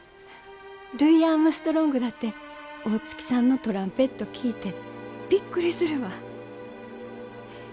ルイ・アームストロングだって大月さんのトランペット聴いてびっくりするわ。